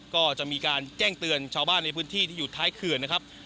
ก็จะมีการแจ้งเตือนชาวบ้านในพื้นที่ที่อยู่ท้ายเขื่อนนะครับ